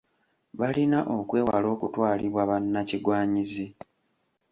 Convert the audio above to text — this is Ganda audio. Balina okwewala okutwalibwa bannakigwanyizi.